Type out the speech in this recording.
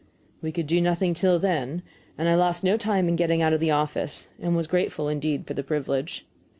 We could do nothing till then, and I lost no time in getting out of the office, and was grateful indeed for the privilege.